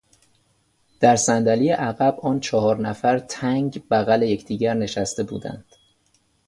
در صندلی عقب آن چهار نفر تنگ بغل یکدیگر نشسته بودند.